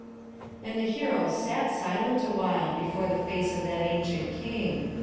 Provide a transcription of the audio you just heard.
And the heroes sat silent awhile before the face of that ancient king.